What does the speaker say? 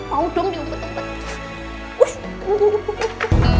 mau dong diumpet umpet